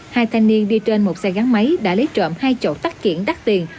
hai thanh niên đi trên một xe gắn máy đã lấy trợm hai chỗ tắt kiển đắt tiền